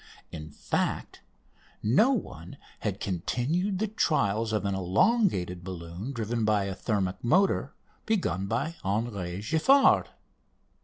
In fact, no one had continued the trials of an elongated balloon driven by a thermic motor begun by Henry Giffard.